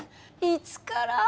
いつから？